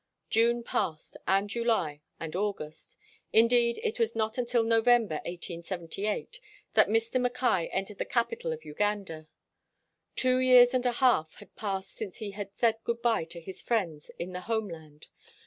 June passed, and July, and August. In deed it was not till November (1878), that Mr. Mackay entered the capital of Uganda. Two years and a half had passed since he had said good by to his friends in the home land.